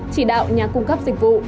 chỉ đạo nhà cung cấp dịch vụ